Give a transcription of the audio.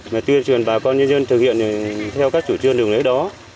mà tuyên truyền bà con nhân dân thực hiện theo các chủ trương đường lễ đó